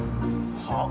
はっ？